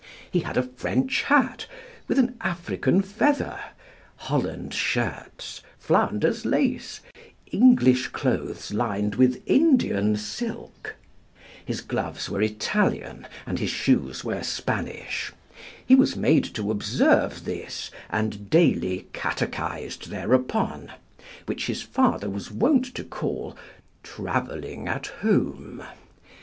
He had a French hat with an African feather, Holland shirts, Flanders lace, English clothes lined with Indian silk, his gloves were Italian, and his shoes were Spanish: he was made to observe this, and daily catechized thereupon, which his father was wont to call "traveling at home."